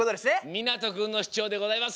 みなとくんのしゅちょうでございます。